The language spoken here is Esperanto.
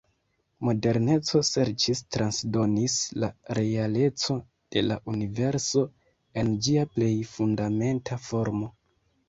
Moderneco serĉis transdonis la "realeco" de la universo en ĝia plej fundamenta formo.